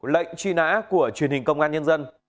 lệnh truy nã của truyền hình công an nhân dân